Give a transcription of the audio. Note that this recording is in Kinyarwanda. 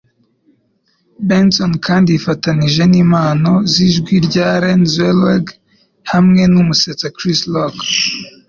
Benson, kandi yifatanije nimpano zijwi rya Renee Zellweger hamwe numusetsa Chris Rock.